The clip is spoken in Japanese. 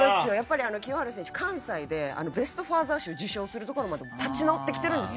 清原選手、関西でベストファーザー賞を受賞するところまで立ち直ってきているんです。